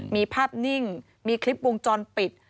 มีภาพนิ่งมีคลิปวงจรปิด